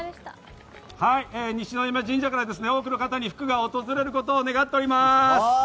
西宮神社から多くの方に福が訪れることを願っております。